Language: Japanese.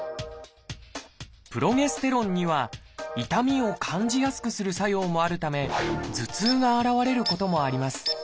プロゲステロンには痛みを感じやすくする作用もあるため頭痛が現れることもあります。